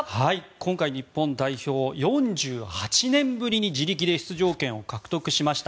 今回日本代表、４８年ぶりに自力で出場権を獲得しました。